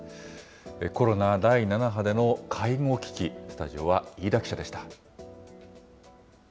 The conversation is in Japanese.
コロナ第７波での介護危機、スタジオは飯田記者でした。